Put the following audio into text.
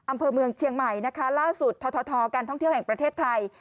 อำเภอเมืองเชียงใหม่นะคะล่าสุดททการท่องเที่ยวแห่งประเทศไทย